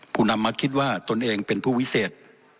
ผู้นำมาคิดว่าตนเองเป็นผู้วิเศษ